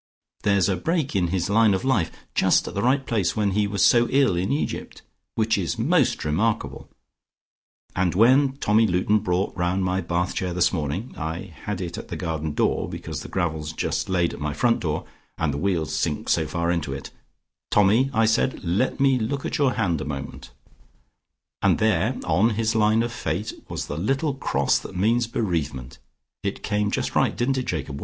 There's a break in his line of life, just at the right place, when he was so ill in Egypt, which is most remarkable, and when Tommy Luton brought round my bath chair this morning I had it at the garden door, because the gravel's just laid at my front door, and the wheels sink so far into it 'Tommy,' I said, 'let me look at your hand a moment,' and there on his line of fate, was the little cross that means bereavement. It came just right didn't it, Jacob?